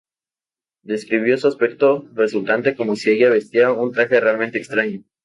Describió su aspecto resultante como si ella vestía un "traje realmente extraño".